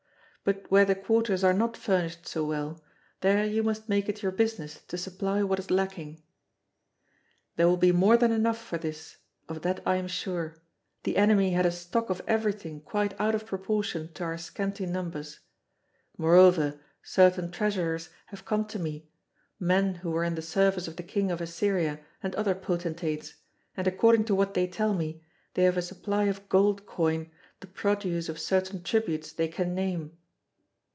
But where the quarters are not furnished so well, there you must make it your business to supply what is lacking. There will be more than enough for this; of that I am sure; the enemy had a stock of everything quite out of proportion to our scanty numbers. Moreover, certain treasurers have come to me, men who were in the service of the king of Assyria and other potentates, and according to what they tell me, they have a supply of gold coin, the produce of certain tributes they can name.